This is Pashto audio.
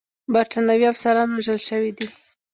برټانوي افسران وژل شوي دي.